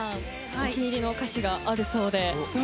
お気に入りの歌詞があるそうで。